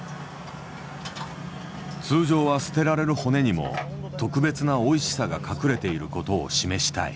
通常は捨てられる骨にも特別なおいしさが隠れている事を示したい。